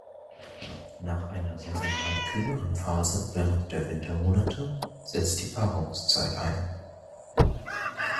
Nach einer saisonal kühleren Phase während der Wintermonate setzt die Paarungszeit ein.